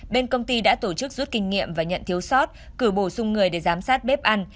bên công ty đã tổ chức rút kinh nghiệm và nhận thiếu sót cử bổ sung người để giám sát bếp ăn